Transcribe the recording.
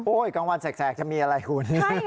กลางวันแสกจะมีอะไรคุณ